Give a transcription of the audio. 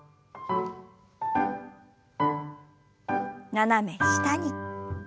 斜め下に。